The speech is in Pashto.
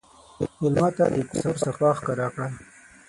مېلمه ته د کور صفا ښکاره کړه.